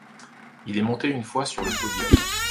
Il est monté une fois sur le podium.